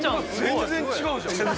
全然違うじゃん！